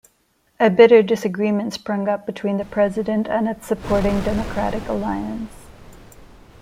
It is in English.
A bitter disagreement sprung up between the president and its supporting Democratic Alliance.